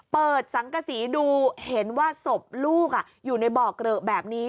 เปิดสังกษีดูเห็นว่าศพลูกอยู่ในบ่อเกลอะแบบนี้